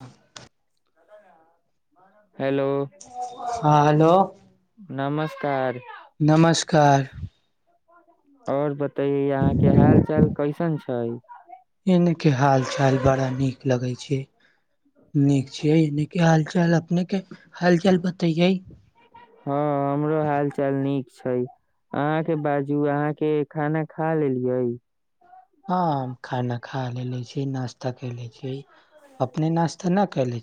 ह हेलो हँ हेलो नमस्कार नमस्कार आओर बता ते ई अहाँ के हाल चाल कैसन छै छै एने के हाल चाल बड़ा नीक लगे छै नीक छीने के हाल चाल अपने के हाल चाल बतैये हँ हमरो हाल चाल नीक छै अहाँके बाजू अहाँके खाना खा लेलियै हँ खाना खा लेलेे छी नाास्ता क ले छी अपने नाश्ता न के छी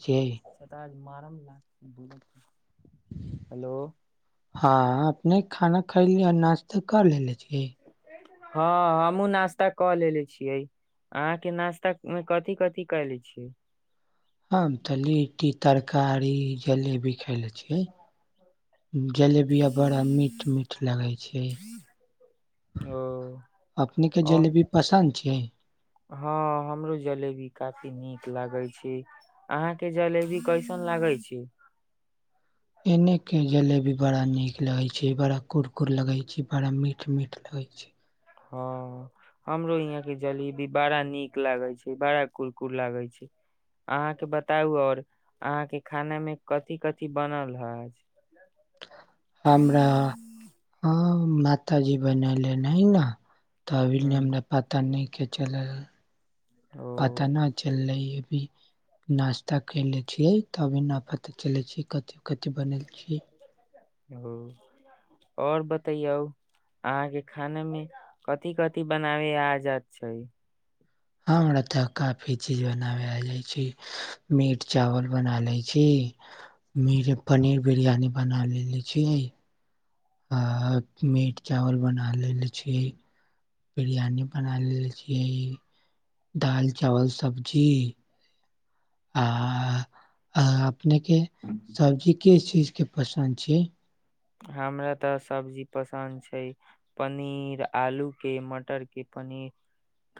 छ मर लाग छै बोल हेलो हँ अपने खाना खैली आ नाश्ता कर लेलेे छियै हँ हमूँ नास्ता कऽ लेे छियै अहाँके नाश्ता मे कथिी कथिी कयले छियै हम तऽ लिट्टी तरकारी जलेबी खय लै छियै जलेबी आ बड़ा मीठ मीठ लगै छै ओ अपने के ओ जलेबी पसन्द छै क हँ हमरो जलेबी काफी नीक लागै छै अहााँके जलेबी कैसन लागै छै अपने के जलेबी बड़ा नीक लगे छै बड़ा कुरकुर लगे छै बड़ा मीठ मीठ लगे छै हँ हमरो यहाँ के जलेबी बड़ा नीक लागे छै बड़ा कुरकुर लागे छै अहाँके बताउ और अहाँ के खाना में कथिी कथि बनल हज हमरा आ मात जी बनले नै ने तबील हमरा पता नहि के चलै ह पता ओ नहि चललै ह नास्ता करले छियै ती नफ चले छ कथि कथि बनल छी हाँ आओर बतैयौ अहाँके खाना मे कथिी कथि बनावे आजाद छै हमँ हमरा तऽ काफी चीज बनाबै आ जाइ छै मीट चावल बना लैत छी मट पनीर बिरयानी बना लेे छीै आ मीट चावल बना लेले छियै बिरियानी बना लेले छियै दाल चावल सब्जी आ आ ने के सब्जी किस चीज के पसन्द छियै हमरा तऽ सब्जी पसन्द छै पनीर आलूके मटरके पनीर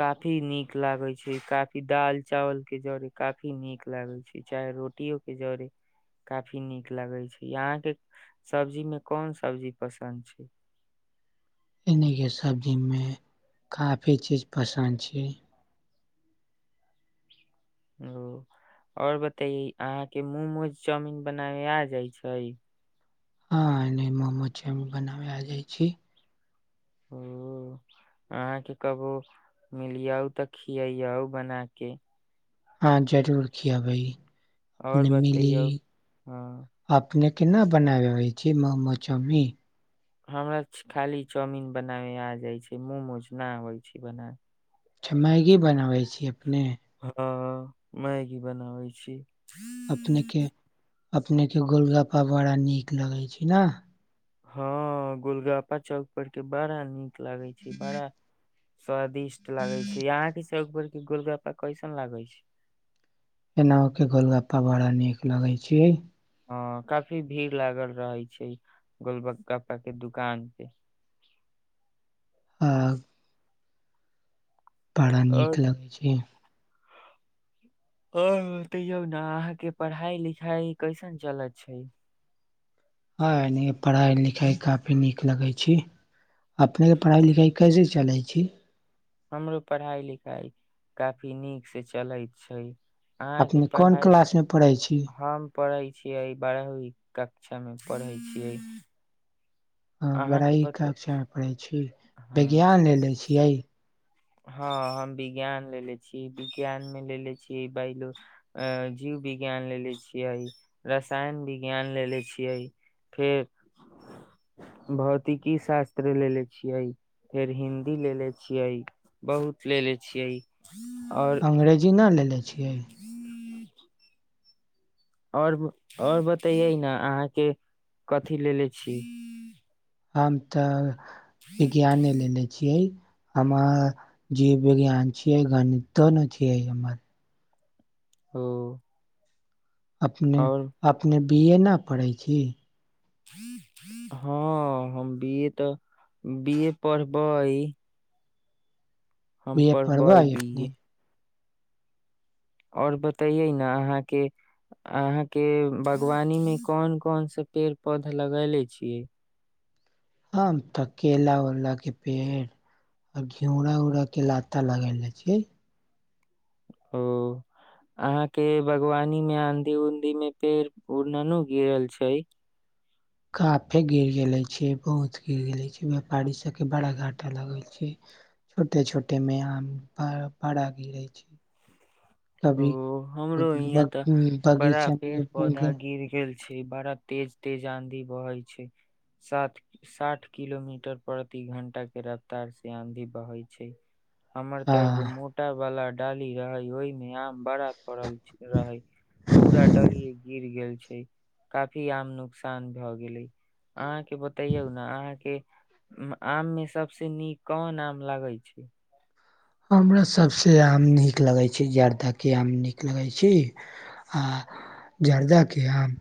काफी नीक लागैत छै काफी दालि चावलके जरे काफी नीक लागैत छै चाहे रोटियओके जड़े काफी नीक लागैत छै अहाँके सब्जी कोन सबजी पसंद छै सब्जीमे काफी चीज पसंद छै ओ आओर बतये अहाँके मोमोज चाउमिन बनाबै आ जाइ छै हँ मोमो च बनाव आ जाै छी ओ अहाँके कहबो मिलियउ तऽ खियउ बना के हँ जरूर खियाबै भइ और अपने मिली बतैयौ हँ अपने केना बनाबै होइ छै ममोचमरी हमरा खाली चाउमीिन बनाबै आ जाइत छै ममोज नहि आबै छै बनाबै अच्छा मैगी बनाबै छीयै अपने हँ मैगी बनाबै छी अपनेके अपनेके गोलगप्पा बड़ा नीक लगै छै ने हँ गुलगापा चौक पर के बाहर आनी नीक लगै छै बड़ा स्वादिष्ट लागै छै अहाँ कें गोलगप्पा कैसन लागै छै एना हो के गोलगप्पा बड़ा नीक लगे छिय ह काफी भीड़ लागल रहै छै गोलबगप्पा के दुकान पे आ बड़ा नीक और लगै छै ह तैयौ ने अहाँके पढ़ाई लिखाइ कैसन चलत छै हँ ए पढ़ाइ लिखाइ काफी नीक लगै छी अपनेके पढ़ाइ लिखाइ कैसे चलै छी हमरो पढ़ाइ लिखाइ काफी नीकसँ चलैत छै अहाँके अपने कोन पढ़ाइ क्लास में पढ़े छी हम पढ़ै छिय बारहवीं कक शिक्षामे पढ़ै छियै ह अहाँ के बड़ाई बत कक्ष पड़ै छी हँ विज्ञान लेने ले छियै हँ हम विज्ञान लेलेे छीियै विज्ञानमे लेले छियै बो जीव विज्ञान लेलेे छियै रसायन विज्ञान लेलेे छियै फेर भौतिकी शास्त्र लेले छियै फेर हिंन्दी लेलेे छियै बहुत ले ले छियै और अंग्रेजी नहि लैले छियै आओर आओर बतैयै ने अहाँके कथी लेे छी हम तऽ विज्ञाने लेलेे छियै आ जी वि ज्ञान छीिय गणित त न आइ अर ओ अपने और अपने बी ए नहिना पढ़ै छी हँ हम ब ए तऽ बए पढ़बै हम बे पड़ब पढ़बै बी अपने आओर बतैयै ने अहाँके अहाँके बागवानीमे कोन कोनसँ पेड़ पौधा लगयले छियै ह तऽ केला उलाके पेड़ आ घिउराा उड़ाके लाता लगाय लै छियै ओ अहाँके बागवानी मे आँधी उंधी मे पेड़ उड़न गिरल छै काफे गिर गेले छै बहुत गिर गेले छै व्यापारी सबके बड़ा घाटा लगल छै छोटे छोटे मेम बड़ा गिरै छै ओ कभी हमरो इहाँ तऽ बड़ा पेड़ बगीचामे पौधा गिर गेल छै बड़ा तेज तेज आंधी बहै छै साात साठ किलोमीटर प्रति घं्टा के रफ्तार से आंधी बहै छै हमर त ई ग हां मूटाा बला डाली रहै ओहिमे बड़ा पड़ल रहे पूरा डलिये गिर गेल छै काफी आम नुकसान भए गेले अहाँके बतैयौ ने अहाँके आम मे सबस नीक कन आम लागै छै हमरा सभसँ आम नीक लगैत छै जर्दाके आम नीक लगैत छै आ जर्दाके आम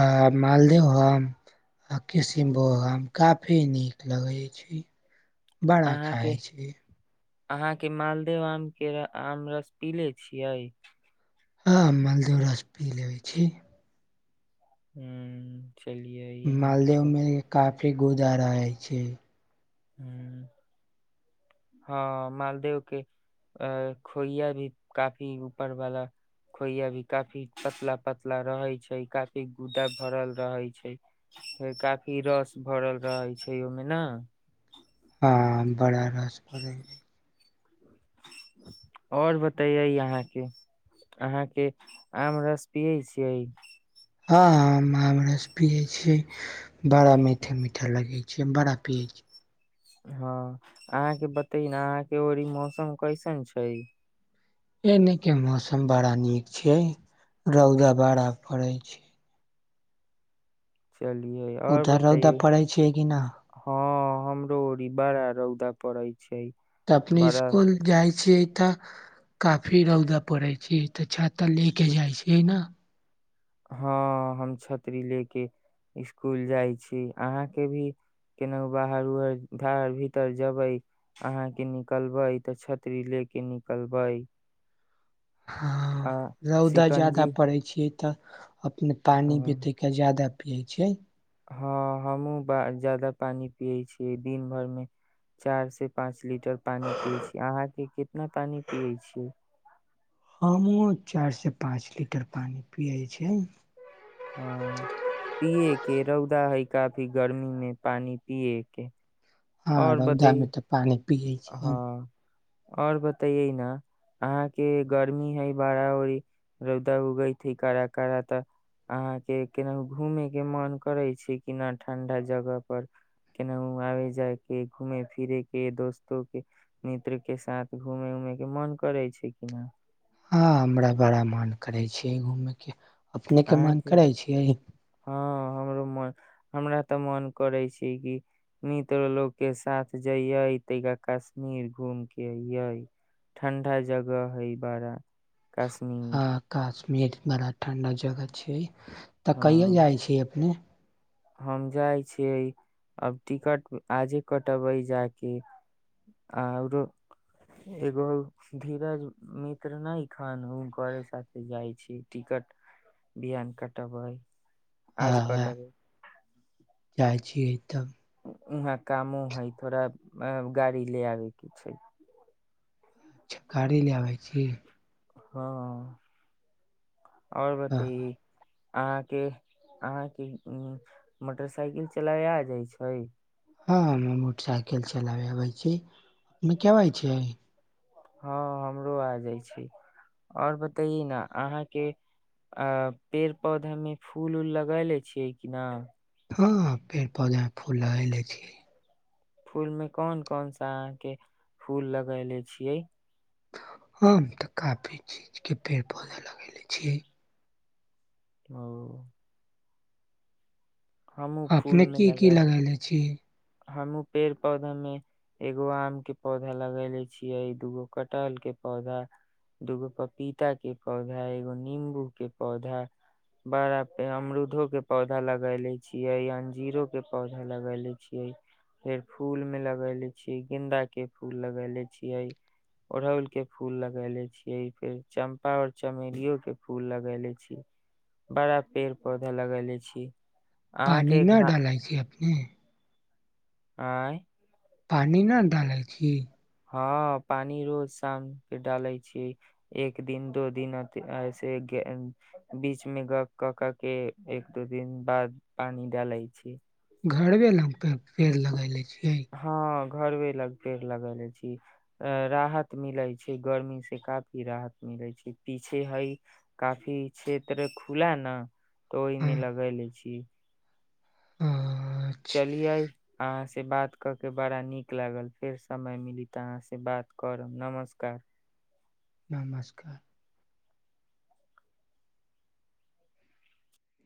आ मालदेह आम आ किशनभोहग आम काफी नीक लगै छै बड़ा अहाँके खाइ छी अहाँके मालदेव आम के आम रस पीले छियै हँ मलद रस पी लेबै छी हू मालदेव मे क ी गोदारा जाइ छै ह्म हँ मालदेव के अ खोइया भी काफी ऊपरवाला खोइया भी काफी पतला पतला रहै छै काफी गुदा भरल रहै छै फेर काफी रस भरल रहै छै ओहिमे ने आम बड़ा रस पड़ै अछि आओर बतैयै अहाँके अहाँके आम रस पियै छियै हँ हमरसँ पियै छियै बड़ा मीठा मीठा लगै छै बड़ा पियै छी हँ अहाँके बतै न अहाँके ओर ई मौसम कैसन छै एने के मौसम बड़ा नीक छै रौदा बड़ा पड़ै छै चलियै और उधर रौदा बतैयै पड़ै छैियै कि नहि हँ हमरो ओ र बारा रौदा पड़ै छै तऽ अपने बड़ा इसकुल जाइ छियै तऽ काफी रौदा पड़ै छै तऽ छाता ले के जाइ छै ने हँ हम छतरी लऽ कऽ इसकुल जाइ छी अहाँके भी केनाहु बाहर उहर धर भीतर जबै अहाँके निकलबै तऽ छत्ररी लऽ कऽ निकलबै आ हँ रौदा ज्यादा शिकंजी पड़ै छियै तऽ अपने पानि हँ बितैके जादा पियै छै हँ हमहुँ ब जादा पानि पियै छियै दिन भर मे चार से पाँच लीटर पानि पिय छी अहाँ के कितना पानि पियै छियै हमहूँ चारिसँ पाँच लीटर पानि पियैत छै हँ ईए के रौदा है काफी गर्मी मे पानी पियए के और हँो बतै दामत पानि पियै छी हम आओर बतैै ने अहाँके गर्मी हइ बड़ा ओरी रौदा उगैत हे कड़ा कारड़ा तऽ अहाँके केनाहु घूमे के मन करै छै किना ठं्डा जगह पर केनाहु आबे जाय के घूमे फिरे के दोस्त के मित्र के साथ घूमे उमे के मन करै छै कि न हँ हमरा बड़ा मन करै छै की घूममे के अपनेके मन अहाँके करै छियै हँ हमरो हमरा तऽ मन करे छै क मित्र लोकग के साथ जयये ता कश्मीर घूम केयये ठंडा जगह हे बड़ा काश्मीर मे बड़ा ठणडा जगह छै तऽ कैयो हँ जाइ छी अपने हम जाइ छियै आब टिकट आजे कटबै जा क आरो एगो धीरज मित्र नेखन ओ घरे साथे जाइ छी टिकट बिियान कटबै आज कटा ब काजी होत उहाँ कामो है थोड़ा अ गाड़ी ले आबेके छै च्छा गी ले आबै छी हँ आओर हाँ बतै अहाँके अहाँके मोटरसाइकिल चलाय आ जाइ छै हँ हम मोटरसाइकिल चलाबे आबै छी अपने केब छ हँ हमरो आ जाइ छै आओर बतेे ने अहाँके अ पेड़ पौधा मे फूल उऊल लगा ले छियै कि न हँ पेड़ पौधा मे फूल लग ले छी फूलमे कोन कोन सा अहाँके फूल लगैले छियै हम तऽ काफी चीज के पेड़ पौधा लगेेले छियै ओ हमू फूल अपने में की की लगे लगले छी हमू पेड़ पौधा में एगो आम के पौधा लगेले छीिये दूगो कटहल के पौधा दूगो पपीता के पौधा एगो नंबू के पौधा बड़ा पे अमरूदो के पौधा लगेले छीियै अंजीरो के पौधा लगले छिय फेर फूल मे लगैले छीियै गेदाा के फूल लगैले छियै ओड़हुल के फूल लगैले छियै फेर चम्पा और चमेलियो के फूल लगैले छीिय बड़ा पेड़ पौधा लगैले छी पानि अहाँके न घा डालै छै अपने नहि आँय आँ पानि न डालै छी हँ पानी रोज शाम के डाले छी एक दिन दो दिन ऐस बीच मे ग कऽ क के एक दो दिन बाद पानी डाले छी घरवे लगे पेड़ लगेले छी हँ घरवे लग पेड़ लगेले छी राहत मिले छै गर्मी से काफी राहत मिले छै पीछे हय काफी क्षेत्र खुला ने तऽ ओहि मे हँ लगे ले छी चलि अच्छा आइ से बात कऽ के बड़ा नीक लागल फेर समय मिली तऽ अहाँसँ बात करब नमस्कार नमस्कार